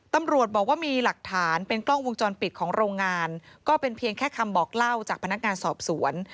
ตำรวจบอกว่ามีหลักฐานเป็นกล้องวงจรปิดของโรงงานก็เป็นเพียงแค่คำบอกเล่าจากพนักงานสอบสวน